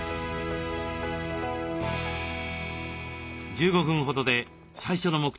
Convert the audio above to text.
１５分ほどで最初の目的地